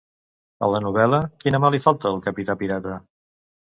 A la novel·la, quina mà li falta al capità pirata?